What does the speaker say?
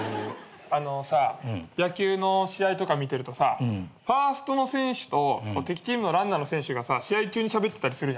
あのさ野球の試合とか見てるとさファーストの選手と敵チームのランナーの選手がさ試合中にしゃべってたりするじゃん。